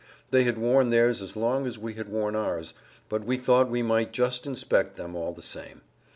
They had worn theirs as long as we had worn ours, but we thought we might just inspect them all the same.